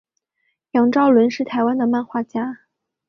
杨邵伦是台湾的漫画家。